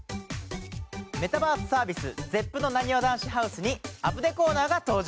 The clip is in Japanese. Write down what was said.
メタバースサービスＺＥＰのなにわ男子ＨＯＵＳＥに『アプデ』コーナーが登場。